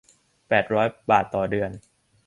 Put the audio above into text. แปดร้อย บาทต่อเดือน